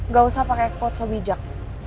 gak usah pakai kepuat so bijak